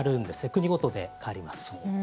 国ごとで変わります。